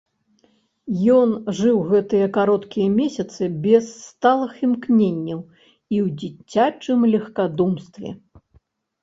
Ён жыў гэтыя кароткія месяцы без сталых імкненняў і ў дзіцячым легкадумстве.